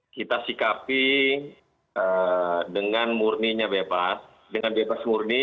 kita sikapi dengan murninya bebas dengan bebas murni